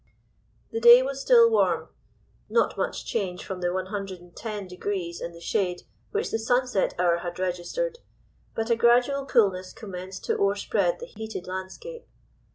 '" The day was still warm, not much change from the 110° in the shade which the sunset hour had registered, but a gradual coolness commenced to o'erspread the heated landscape.